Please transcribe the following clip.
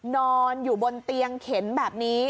นอนอยู่บนเตียงเข็นแบบนี้